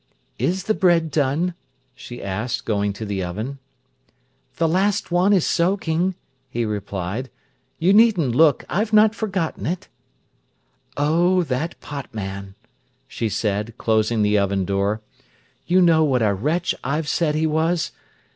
"Is the bread done?" she asked, going to the oven. "The last one is soaking," he replied. "You needn't look, I've not forgotten it." "Oh, that pot man!" she said, closing the oven door. "You know what a wretch I've said he was?